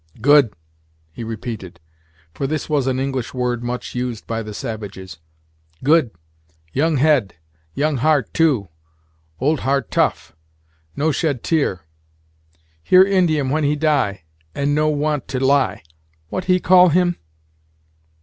"Good!" he repeated, for this was an English word much used by the savages, "good! young head; young heart, too. Old heart tough; no shed tear. Hear Indian when he die, and no want to lie what he call him?"